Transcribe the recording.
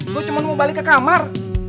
gue cuma mau balik ke kamar